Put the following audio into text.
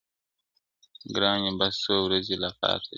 گراني بس څو ورځي لا پاته دي